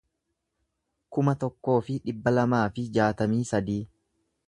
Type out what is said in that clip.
kuma tokkoo fi dhibba lamaa fi jaatamii sadii